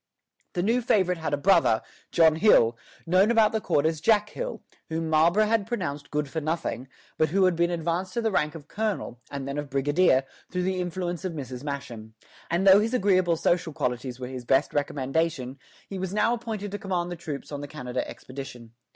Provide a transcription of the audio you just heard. The new favorite had a brother, John Hill, known about the court as Jack Hill, whom Marlborough had pronounced good for nothing, but who had been advanced to the rank of colonel, and then of brigadier, through the influence of Mrs. Masham; and though his agreeable social qualities were his best recommendation, he was now appointed to command the troops on the Canada expedition.